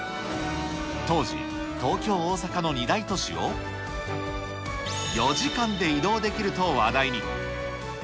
当時、東京・大阪の２大都市を４時間で移動できると話題に。